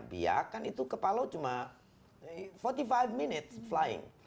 biak kan itu ke palau cuma empat puluh lima minutes flying